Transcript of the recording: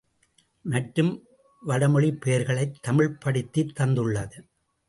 மற்றும் வட மொழிப் பெயர்களைத் தமிழ்ப்படுத்தித் தந்துள்ளது.